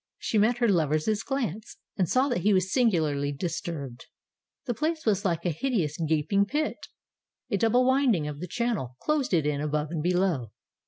She met her lover's glance, and saw that he was singularly disturbed. The place was like a hideous gaping pit. A double winding of the channel closed it in above and below.